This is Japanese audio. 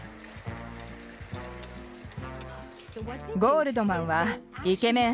ゴールドマンはイケメン